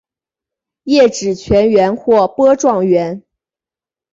叶纸全缘或波状缘。